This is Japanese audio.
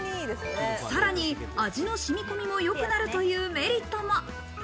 さらに味の染み込みも良くなるというメリットも。